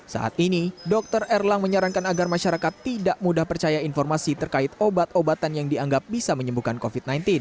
saat ini dokter erlang menyarankan agar masyarakat tidak mudah percaya informasi terkait obat obatan yang dianggap bisa menyembuhkan covid sembilan belas